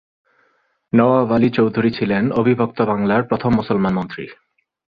নওয়াব আলী চৌধুরী ছিলেন অবিভক্ত বাংলার প্রথম মুসলমান মন্ত্রী।